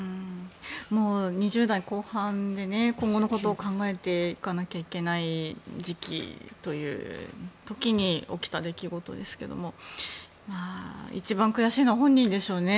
２０代後半で今後のことを考えていかなきゃいけない時期という時に起きた出来事ですが一番悔しいのは本人でしょうね。